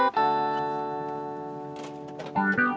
aduh aku bisa